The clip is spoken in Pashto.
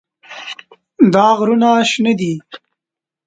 دا غرونه شنه دي.